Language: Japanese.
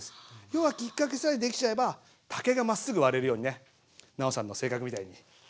要はきっかけさえ出来ちゃえば竹がまっすぐ割れるようにね尚さんの性格みたいに。